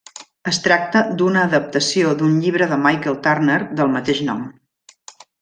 Es tracta d'una adaptació d'un llibre de Michael Turner del mateix nom.